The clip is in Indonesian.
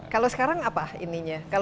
kalau sekarang apa ininya